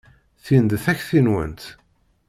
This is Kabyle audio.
Tin d takti-nwent.